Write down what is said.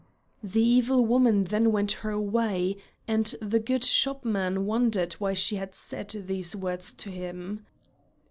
The evil woman then went her way, and the good shopman wondered why she had said these words to him.